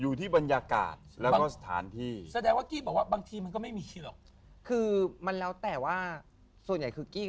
อยู่ที่บรรยากาศและสถานที่